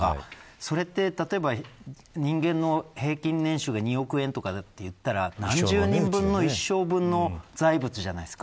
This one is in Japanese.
それって例えば人間の平均年収で２億円とかっていったら何十人分の一生分の財物じゃないですか。